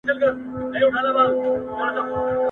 څه چي مي په زړه دي هغه ژبي ته راغلي دي !.